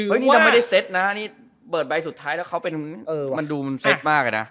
นี่มันไม่ได้เซตนะนี่เปิดใบสุดท้ายแล้วมันดูเซตมากเลยนะ